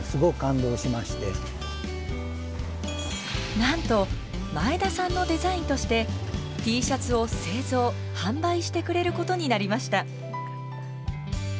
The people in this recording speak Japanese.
なんと前田さんのデザインとしてＴシャツを製造販売してくれることになりました。